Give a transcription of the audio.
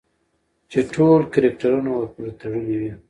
چې ټول کرکټرونه ورپورې تړلي وي